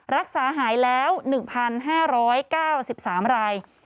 รักษาหายแล้ว๑๕๙๓ราย